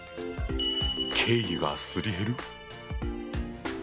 敬意がすり減る？